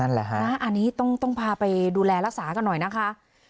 อันนี้ต้องพาไปดูแลรักษากันหน่อยนะคะ